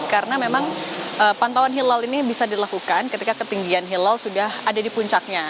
karena memang pantauan hilal ini bisa dilakukan ketika ketinggian hilal sudah ada di puncaknya